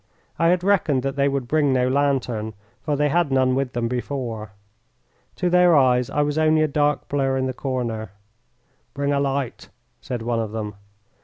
I had reckoned that they would bring no lantern, for they had none with them before. To their eyes I was only a dark blur in the corner. "Bring a light," said one of them.